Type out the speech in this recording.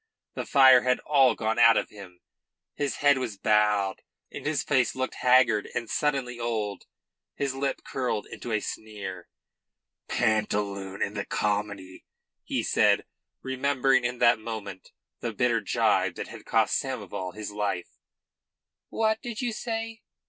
The fire had all gone out of him. His head was bowed and his face looked haggard and suddenly old. His lip curled into a sneer. "Pantaloon in the comedy," he said, remembering in that moment the bitter gibe that had cost Samoval his life. "What did you say?"